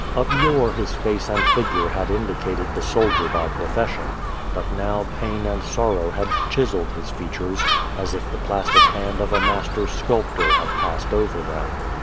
Of yore his face and figure had in dicated the soldier by profession. But now pain and sorrow had chiselled his features, as if the plastic hand of a master 8Cul])tor had passed over them.